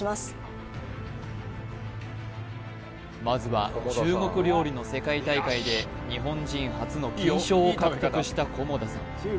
まずは中国料理の世界大会で日本人初の金賞を獲得した菰田さん